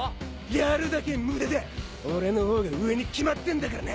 やるだけ無駄だ俺のほうが上に決まってんだからな。